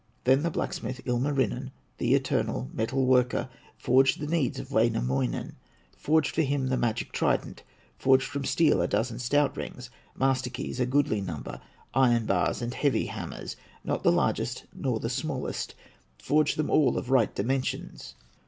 Then the blacksmith, Ilmarinen, The eternal metal worker, Forged the needs of Wainamoinen, Forged for him the magic trident, Forged from steel a dozen stout rings, Master keys, a goodly number, Iron bars and heavy hammers, Not the largest, nor the smallest, Forged them of the right dimensions.